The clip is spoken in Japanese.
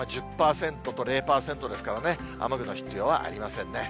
１０％と０％ですからね、雨具の必要はありませんね。